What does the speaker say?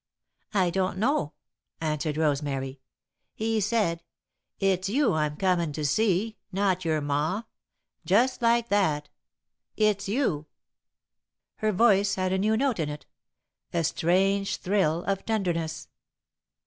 "I don't know," answered Rosemary. "He said: 'It's you I'm comin' to see not your Ma,' Just like that 'It's you!'" Her voice had a new note in it a strange thrill of tenderness.